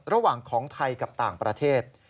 ระหว่างของไทยกับต่างประเทศ